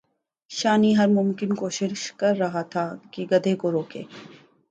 شانی ہر ممکن کوشش کر رہا تھا کہ گدھے کو روکے